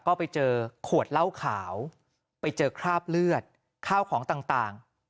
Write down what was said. ก็ไปเจอขวดเหล้าขาวไปเจอคราบเลือดข้าวของต่าง